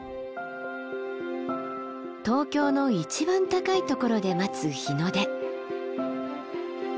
東京の一番高いところで待つ日の出。